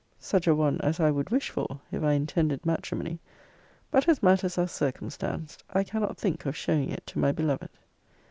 Such a one as I would wish for, if I intended matrimony. But as matters are circumstanced, I cannot think of showing it to my beloved.